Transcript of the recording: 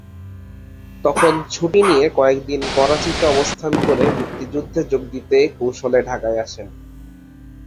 তখন ছুটি নিয়ে কয়েক দিন করাচীতে অবস্থান করে মুক্তিযুদ্ধে যোগ দিতে কৌশলে ঢাকায় আসেন।